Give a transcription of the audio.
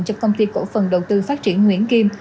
cho công ty cổ phần đầu tư phát triển nguyễn kim